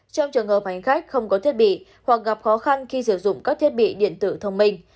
trong trường hợp hành khách không có thiết bị hoặc gặp khó khăn khi sử dụng các thiết bị điện tử thông minh